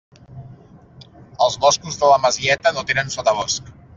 Els boscos de la Masieta no tenen sotabosc.